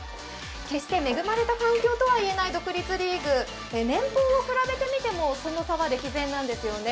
決して恵まれた環境とはいえない独立リーグ、年俸を比べてみてもその差は歴然なんですよね。